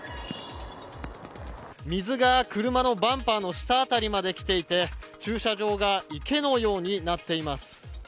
水が車のバンパーの下あたりまで来ていて駐車場が池のようになっています。